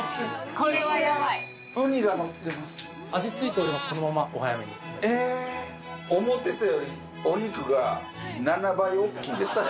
・これはやばい・ウニがのってます味付いておりますこのままお早めにえ思ってたよりお肉が７倍おっきいですね